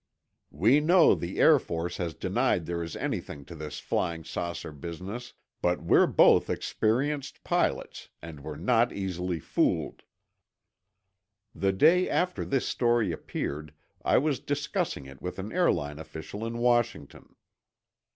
... "We know the Air Force has denied there is anything to this flying saucer business, but we're both experienced pilots and we're not easily fooled." The day after this story appeared, I was discussing it with an airline official in Washington.